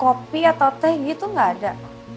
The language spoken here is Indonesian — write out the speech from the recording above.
kopi atau teh gitu nggak ada